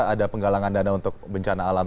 ada penggalangan dana untuk bencana alam